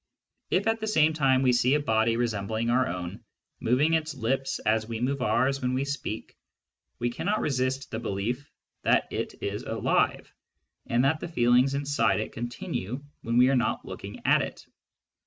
If at the same time we see a body resembling our own, moving its lips as we move ours when we speak, we cannot resist the belief that it is alive, and that the feelings inside it continue when we are not looking at it.